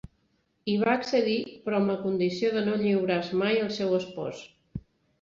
Hi va accedir, però amb la condició de no lliurar-se mai al seu espòs.